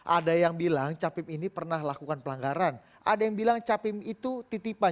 ada yang bilang capim ini pernah lakukan pelanggaran ada yang bilang capim itu titipan